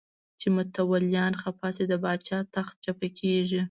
چې متولیان خفه شي د پاچا تخت چپه کېږي.